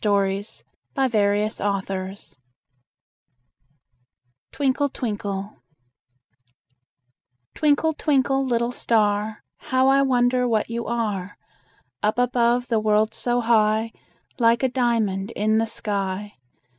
PHOEBE CARY TWINKLE, TWINKLE Twinkle, twinkle, little star; How I wonder what you are! Up above the world so high, Like a diamond in the sky.